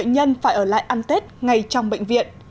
có đến hàng nghìn bệnh nhân phải ở lại ăn tết ngay trong bệnh viện